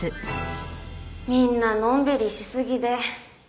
みんなのんびりしすぎで